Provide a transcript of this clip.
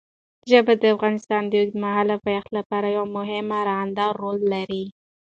ژبې د افغانستان د اوږدمهاله پایښت لپاره یو مهم او رغنده رول لري.